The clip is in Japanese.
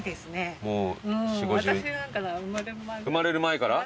生まれる前から？